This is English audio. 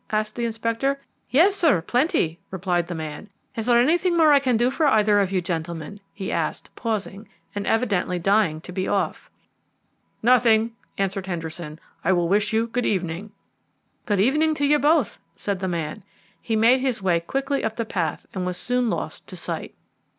asked the Inspector. "Yes, sir, plenty," replied the man. "Is there anything more I can do for either of you gentlemen?" he asked, pausing, and evidently dying to be off. "Nothing," answered Henderson; "I will wish you good evening." "Good evening to you both," said the man. He made his way quickly up the path and was soon lost to sight.